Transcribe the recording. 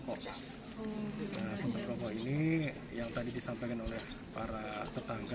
nah pembeli rokok ini yang tadi disampaikan oleh para tetangga